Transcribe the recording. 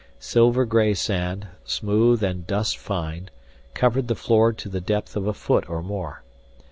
Silver gray sand, smooth and dust fine, covered the floor to the depth of a foot or more.